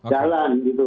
pencitraan gitu ya